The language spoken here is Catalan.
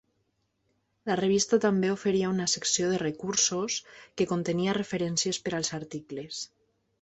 La revista també oferia una secció de "Recursos" que contenia referències per als articles.